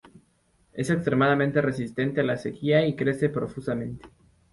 Es extremadamente resistente a la sequía y crece profusamente.